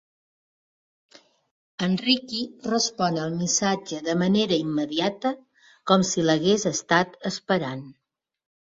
El Riqui respon al missatge de manera immediata, com si l'hagués estat esperant.